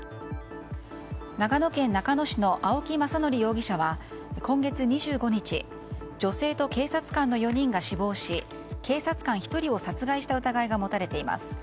長野県中野市の青木政憲容疑者は今月２５日女性と警察官の４人が死亡し警察官１人を殺害した疑いが持たれています。